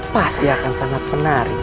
pasti akan sangat menarik